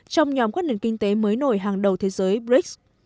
trong nhóm các nền kinh tế mới nổi hàng đầu thế giới brics